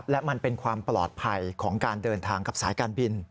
และมันเป็นความปลอดภัยของการเดินทางกับสายการบิน